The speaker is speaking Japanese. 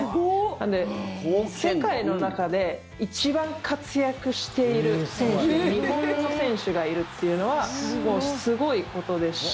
なので、世界の中で一番活躍している選手に日本の選手がいるというのはすごいことですし。